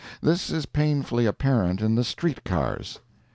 This is painfully apparent in the street cars.